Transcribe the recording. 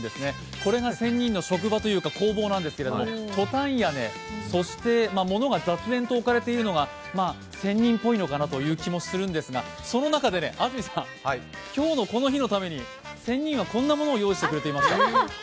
これが仙人の職場というか工房なんですけれども、トタン屋根物が雑然と置かれているのが仙人っぽいのかなという気もするんですが、その中で安住さん、今日のこの日のために仙人はこんなものを用意してくれていました。